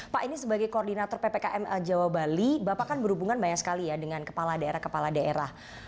pak ini sebagai koordinator ppkm jawa bali bapak kan berhubungan banyak sekali ya dengan kepala daerah kepala daerah